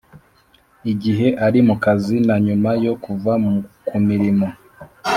Igihe ari mu kazi na nyuma yo kuva ku mirimo